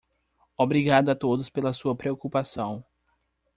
Obrigado a todos pela sua preocupação.